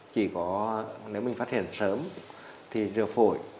chỉ có nếu mình phát hiện sớm thì rửa phổi